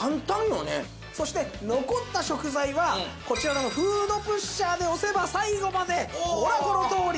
そして残った食材はこちらのフードプッシャーで押せば最後までほらこのとおり！